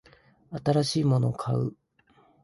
新しいものを買う